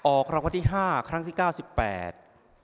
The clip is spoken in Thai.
ออกคำวัติห้าครั้งที่เก้าสิบแปด